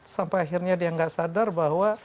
sampai akhirnya dia nggak sadar bahwa